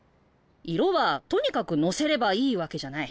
色はとにかくのせればいいわけじゃない。